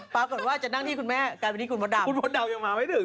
ปรากฏว่าจะนั่งที่คุณแม่กลายเป็นที่คุณมดดำคุณมดดำยังมาไม่ถึง